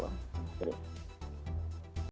selamat sore salam sehat selalu